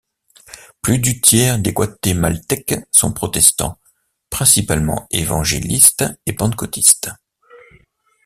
Plus du tiers des guatémaltèques sont protestants, principalement évangélistes et pentecôtistes.